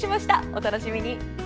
お楽しみに。